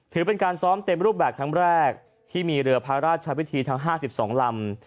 ถือเป็นการซ้อมเต็มรูปแบบครั้งแรกที่มีเรือพระราชวิธีทั้ง๕๒ลำ